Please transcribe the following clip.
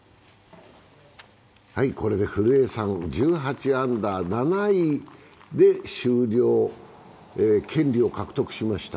これで古江さん、１８アンダー７位で終了、権利を獲得しました。